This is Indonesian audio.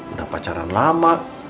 udah pacaran lama